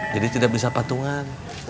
jadi tidak bisa patungan